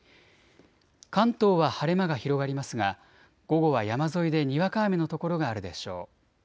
関東は晴れ間が広がりますが午後は山沿いでにわか雨の所があるでしょう。